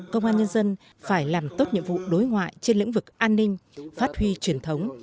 công an nhân dân phải làm tốt nhiệm vụ đối ngoại trên lĩnh vực an ninh phát huy truyền thống